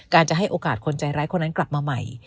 จะให้โอกาสคนใจร้ายคนนั้นกลับมาใหม่